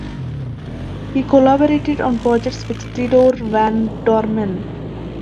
He collaborated on projects with Theodoor Van Dormael.